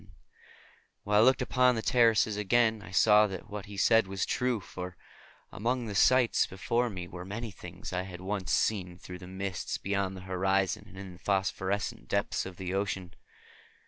And when I looked upon the terraces again I saw that what he said was true, for among the sights before me were many things I had once seen through the mists beyond the horizon and in the phosphorescent depths of ocean.